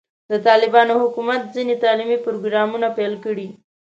د طالبانو حکومت ځینې تعلیمي پروګرامونه پیل کړي.